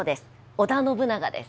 織田信長です。